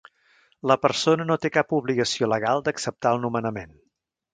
La persona no té cap obligació legal d'acceptar el nomenament.